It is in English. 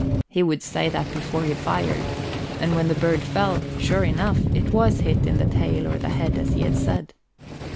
He would say that before he fired; and when the bird fell, sure enough, it was hit in the tail or the head as he had said.